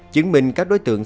chứng minh các đối tượng